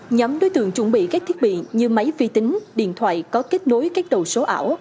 nhóm đối tượng chuẩn bị các thiết bị như máy vi tính điện thoại có kết nối các đầu số ảo